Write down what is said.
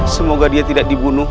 semoga dia tidak dibunuh